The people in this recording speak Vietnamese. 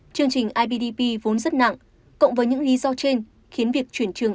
trường trình ibdp vốn rất nặng cộng với những lý do trên khiến việc chuyển trường